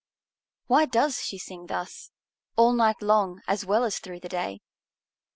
Why does she sing thus, all night long as well as through the day?